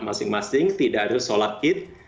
masing masing tidak harus sholat id